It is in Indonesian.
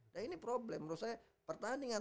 nah ini problem menurut saya pertandingan